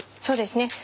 そうですね。